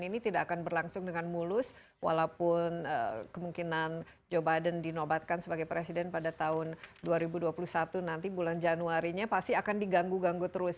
ini tidak akan berlangsung dengan mulus walaupun kemungkinan joe biden dinobatkan sebagai presiden pada tahun dua ribu dua puluh satu nanti bulan januari nya pasti akan diganggu ganggu terus